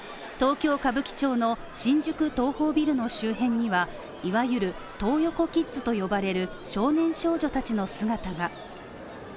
東京・歌舞伎町の新宿東宝ビルの周辺にはいわゆるトー横キッズと呼ばれる少年少女たちの姿が。